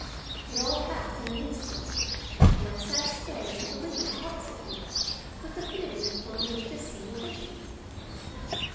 It all passed in an instant, and I sat staring at the window opposite me with the feeling of one who has just seen a vision.